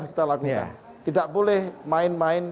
kita lakukan tidak boleh main main